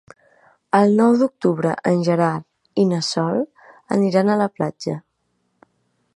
El nou d'octubre en Gerard i na Sol aniran a la platja.